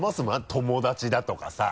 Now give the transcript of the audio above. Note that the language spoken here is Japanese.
友達だとかさ。